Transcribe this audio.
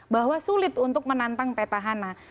bahwa sulit untuk menantang petahana